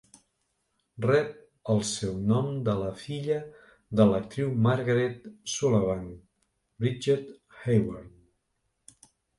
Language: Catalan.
Rep el seu nom de la filla de l'actriu Margaret Sullavan: Bridget Hayward.